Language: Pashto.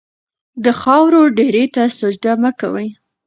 د خاورو ډېري ته سجده مه کوئ.